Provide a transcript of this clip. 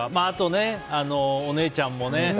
あと、お姉ちゃんもね。